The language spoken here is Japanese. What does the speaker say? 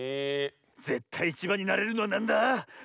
ぜったいいちばんになれるのはなんだ？